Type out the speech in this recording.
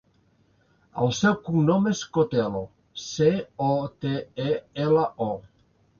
El seu cognom és Cotelo: ce, o, te, e, ela, o.